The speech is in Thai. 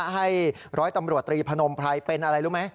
ให้ร้อยตำรวจตรีพนมไพรเป็นอะไรรู้ไหม